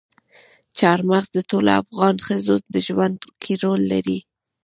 چار مغز د ټولو افغان ښځو په ژوند کې رول لري.